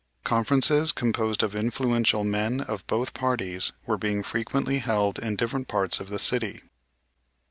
Conferences, composed of influential men of both parties, were being frequently held in different parts of the city.